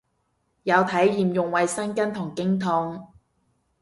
有體驗用衛生巾同經痛